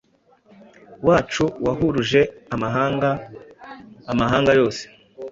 wacu wahuruje amahanga amahanga yose